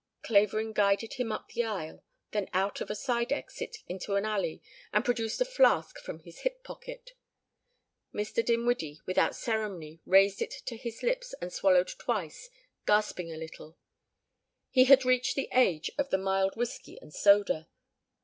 Clavering guided him up the aisle, then out of a side exit into an alley and produced a flask from his hip pocket. Mr. Dinwiddie without ceremony raised it to his lips and swallowed twice, gasping a little. He had reached the age of the mild whiskey and soda.